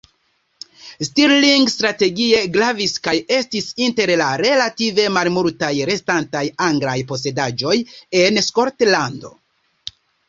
Stirling strategie gravis kaj estis inter la relative malmultaj restantaj anglaj posedaĵoj en Skotlando.